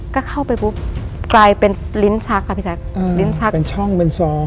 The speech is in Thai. ก็เข้าไปปุ๊บกลายเป็นลิ้นชักค่ะพี่แจ๊คอืมลิ้นชักเป็นช่องเป็นซอง